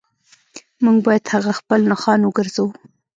موږ باید هغه خپل نښان وګرځوو